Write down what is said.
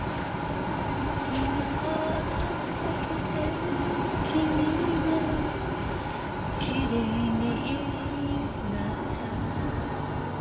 「今春が来て君はきれいになった」